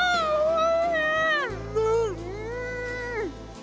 うん！